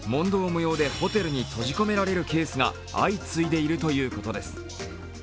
無用でホテルに閉じ込められるケースが相次いでいるということです。